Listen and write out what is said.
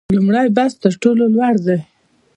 لومړی بست تر ټولو لوړ دی